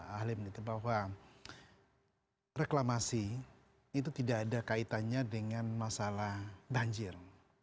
ahli menitip bahwa reklamasi itu tidak ada kaitannya dengan masalah banjir